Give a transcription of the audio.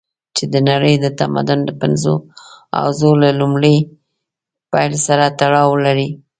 چې د نړۍ د تمدن د پنځو حوزو له لومړي پېر سره تړاو لري.